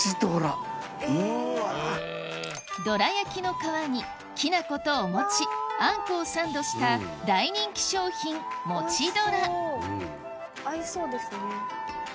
どら焼きの皮にきな粉とお餅あんこをサンドした大人気商品合いそうですね。